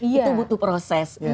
itu butuh proses